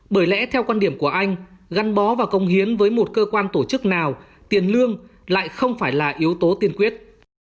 bởi lẽ theo quan điểm của anh gắn bó và công hiến với một cơ quan tổ chức nào tiền lương lại không phải là yếu tố tiên quyết